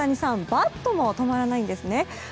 バットも止まらないんですね。